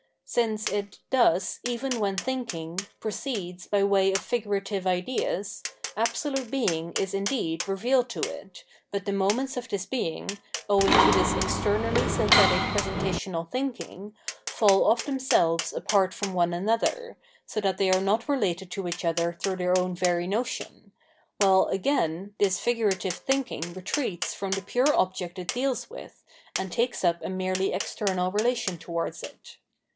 Since it thus, even when thinking, proceeds by way of figurative ideas, abso lute Being is indeed revealed to it, but the moments of this Being, owing to this [externally] synthetic presenta tional thinking, f aU of themselves apart from one another, so that they are not related to each other through their own very notion, while, again, this figurative thinking retreats from the pure object it deals with, and takes up a merely external relation towards it.